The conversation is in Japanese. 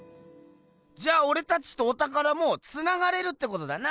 じゃあオレたちとおたからもつながれるってことだな。